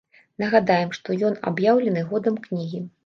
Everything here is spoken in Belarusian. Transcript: Нагадаем, што ён аб'яўлены годам кнігі.